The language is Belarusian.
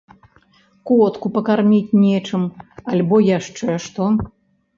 Котку пакарміць нечым, альбо яшчэ што.